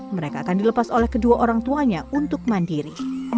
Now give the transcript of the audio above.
mereka akan dilepas oleh kedua orang tuanya untuk mandiri